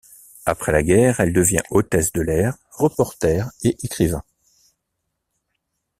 Après la guerre, elle devient hôtesse de l'air, reporter et écrivain.